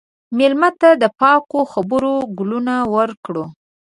مېلمه ته د پاکو خبرو ګلونه ورکړه.